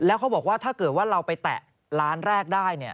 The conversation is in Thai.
แล้วเขาบอกว่าถ้าเกิดว่าเราไปแตะร้านแรกได้